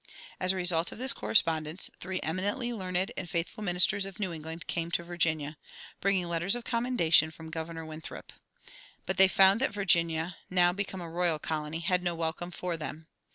As result of this correspondence, three eminently learned and faithful ministers of New England came to Virginia, bringing letters of commendation from Governor Winthrop. But they found that Virginia, now become a royal colony, had no welcome for them.